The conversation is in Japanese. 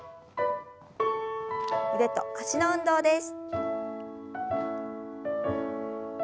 腕と脚の運動です。